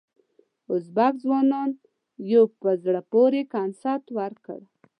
ازبک ځوانانو یو په زړه پورې کنسرت ورکړ.